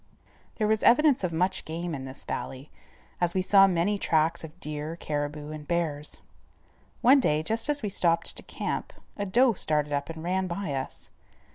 There was evidence of much game in this valley, as we saw many tracks of deer, caribou, and bears. One day, just as we stopped to camp, a doe started up and ran by us.